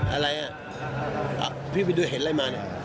อะไรอ่ะพี่ไปดูเห็นอะไรมาเนี่ย